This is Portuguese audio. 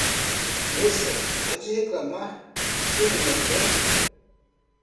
Moça, pare de reclamar e venha me ajudar.